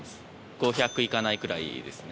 ５００いかないくらいですね。